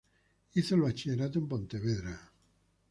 Hizo el Bachillerato en Pontevedra.